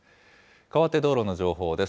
かわって道路の情報です。